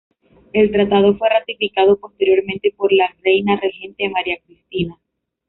El tratado fue ratificado posteriormente por la reina regente María Cristina.